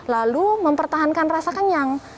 lalu mempertahankan rasa kenyang